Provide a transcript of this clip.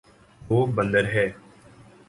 وہ بندر ہے